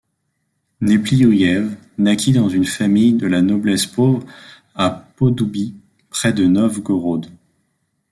Nepliouïev naquit dans une famille de la noblesse pauvre à Poddoubie, près de Novgorod.